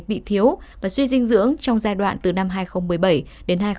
bị thiếu và suy dinh dưỡng trong giai đoạn từ năm hai nghìn một mươi bảy đến hai nghìn một mươi